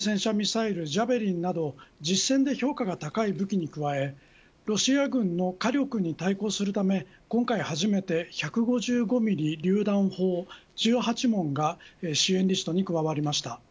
対戦車ミサイルジャベリンなど実戦で評価が高い武器に加えロシア軍の火力に対抗するため今回初めて１５５ミリ榴弾砲１８門が支援リストに加わりました。